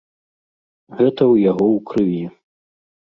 Гэта ў яго ў крыві.